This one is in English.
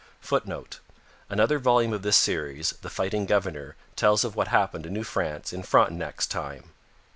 [Footnote: Another volume of this Series, The Fighting Governor, tells of what happened in New France in Frontenac's time.